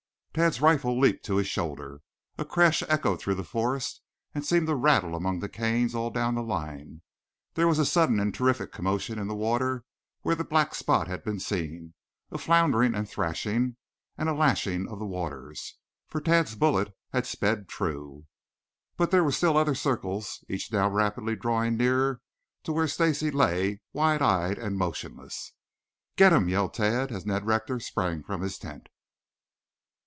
Tad's rifle leaped to his shoulder. A crash echoed through the forest and seemed to rattle among the canes all down the line. There was a sudden and terrific commotion in the water where the black spot had been seen, a floundering and threshing and a lashing of the waters, for Tad's bullet had sped true. But there were still other circles, each now rapidly drawing nearer to where Stacy lay wide eyed and motionless. "Get him!" yelled Tad as Ned Rector sprang from his tent.